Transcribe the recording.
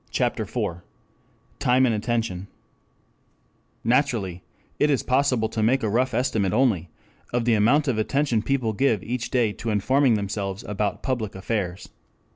CHAPTER IV TIME AND ATTENTION NATURALLY it is possible to make a rough estimate only of the amount of attention people give each day to informing themselves about public affairs.